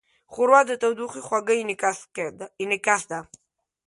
ښوروا د تودوخې خوږه انعکاس ده.